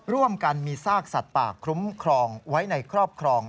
ร่วมกันมีซากสัตว์ป่าคุ้มครองไว้ในครอบครอง